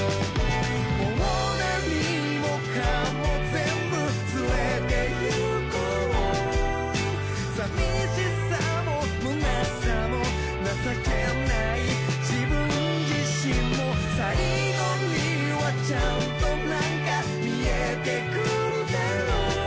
もう何もかも全部連れて行こう寂しさも虚しさも情けない自分自身も最期にはちゃんと何か見えてくるだろう